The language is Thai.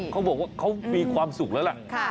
เขาบอกว่าเขามีความสุขแล้วล่ะ